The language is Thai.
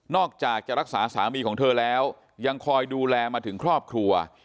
อกจากจะรักษาสามีของเธอแล้วยังคอยดูแลมาถึงครอบครัว